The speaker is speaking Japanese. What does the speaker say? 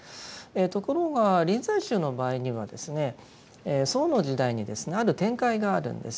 ところが臨済宗の場合にはですね宋の時代にですねある展開があるんです。